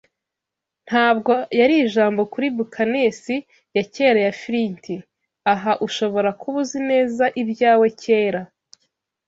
ntabwo yari ijambo kuri buccaneers ya kera ya Flint. Ah, ushobora kuba uzi neza ibyawe kera